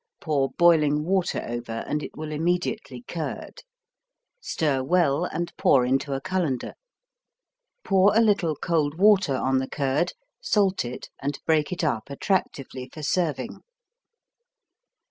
Pour boiling water over and it will immediately curd. Stir well and pour into a colander. Pour a little cold water on the curd, salt it and break it up attractively for serving.